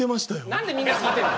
何でみんな聞いてんの？